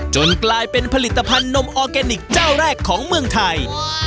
กลายเป็นผลิตภัณฑ์นมออร์แกนิคเจ้าแรกของเมืองไทย